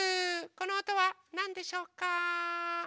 このおとはなんでしょうか？